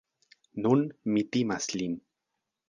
Nun, mi timas lin.